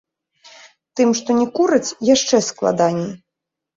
Тым, што не кураць, яшчэ складаней.